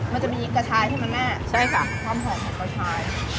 มันจะมีกระชายที่มันแน่ใช่ค่ะความหอมของกระชาย